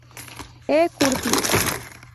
E. Curtis.